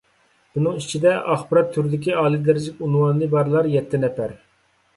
بۇنىڭ ئىچىدە، ئاخبارات تۈرىدىكى ئالىي دەرىجىلىك ئۇنۋانى بارلار يەتتە نەپەر.